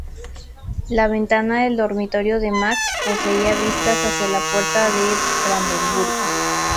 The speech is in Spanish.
La ventana del dormitorio de Max poseía vistas hacia la Puerta de Brandeburgo.